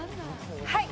はい！